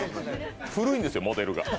古いんですよ、モデルが。